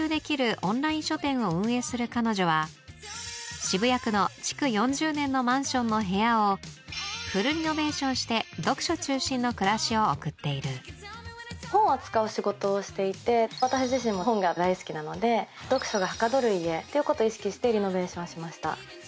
オンライン書店を運営する彼女は渋谷区の築４０年のマンションの部屋をフルリノベーションして読書中心の暮らしを送っている本を扱う仕事をしていて私自身も本が大好きなので読書がはかどる家ということを意識してリノベーションしました。